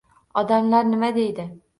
Odamlar nima deydi